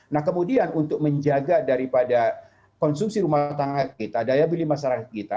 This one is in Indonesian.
nah kemudian untuk menjaga daripada konsumsi rumah tangga kita daya beli masyarakat kita